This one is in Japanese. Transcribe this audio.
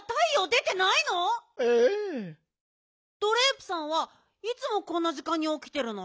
ドレープさんはいつもこんなじかんにおきてるの？